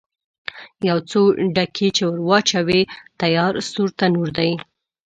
یو څو ډکي چې ور واچوې، تیار سور تنور دی.